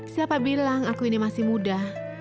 siapa bilang aku ini masih muda